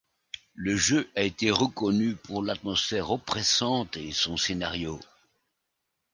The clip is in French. Le jeu a été reconnu pour l'atmosphère oppressante et son scénario.